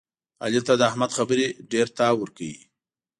علي ته د احمد خبرې ډېرتاو ورکوي.